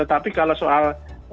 tetapi kalau soal